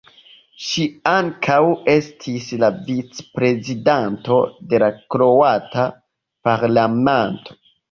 Ŝi ankaŭ estis la vicprezidanto de la Kroata Parlamento.